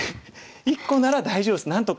１個なら大丈夫ですなんとか。